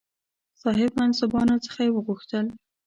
صاحب منصبانو څخه یې وغوښتل.